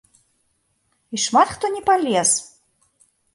І шмат хто не палез!